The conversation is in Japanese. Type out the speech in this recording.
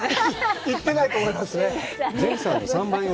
行ってないと思いますね。